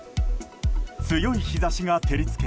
強い日差しが照り付け